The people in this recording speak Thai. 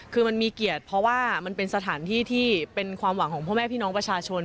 คือมันมีเกียรติเพราะว่ามันเป็นสถานที่ที่เป็นความหวังของพ่อแม่พี่น้องประชาชน